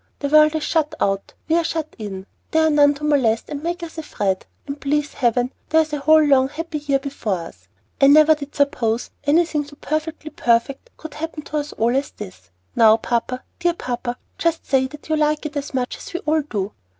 "The world is shut out, we are shut in; there are none to molest and make us afraid; and, please Heaven, there is a whole, long, happy year before us! I never did suppose anything so perfectly perfect could happen to us all as this. Now, papa, dear papa, just say that you like it as much as we all do."